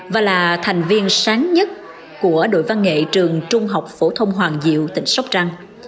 và là thành viên sáng nhất của đội văn nghệ trường trung học phổ thông hoàng diệu tỉnh sóc trăng